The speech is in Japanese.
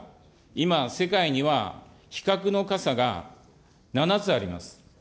今、世界には非核の傘が７つあります。